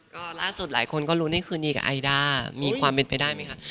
ก็ล่าสุดหลายคนก็ลุ้นในคืนนี้กับไอด้ามีความเป็นไปได้ไหมคะ